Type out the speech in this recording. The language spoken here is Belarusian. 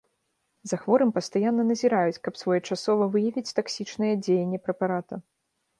За хворым пастаянна назіраюць, каб своечасова выявіць таксічнае дзеянне прэпарата.